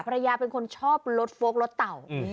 ภรรยาเป็นคนชอบรถโฟกรถเต่า